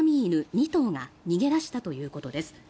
２頭が逃げ出したということです。